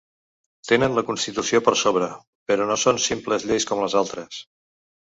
Tenen la constitució per sobre, però no són simples lleis com les altres.